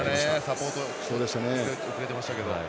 サポート遅れてましたけど。